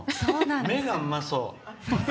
目が、うまそう。